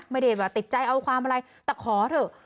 ไม่ได้ว่าติดใจเอาความอะไรแต่ขอเถอะ